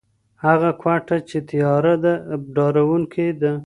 هغه کوټه چي تياره ده ډارونکي ده.